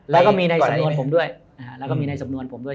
แล้วก็มีในสำนวนผมด้วย